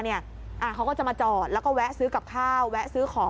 เขาก็จะมาจอดแล้วก็แวะซื้อกับข้าวแวะซื้อของ